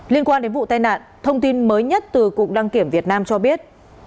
liên quan đến vụ tai nạn thông tin mới nhất từ cục đăng kiểm việt nam cho biết